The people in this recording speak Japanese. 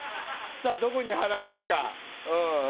どこに貼られるか。